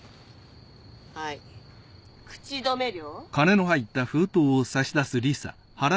はい口止め料。